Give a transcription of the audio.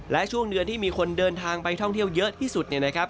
และช่วงเดือนที่มีคนเดินทางไปท่องเที่ยวเยอะที่สุดเนี่ยนะครับ